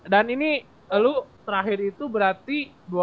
dan ini lu terakhir itu berarti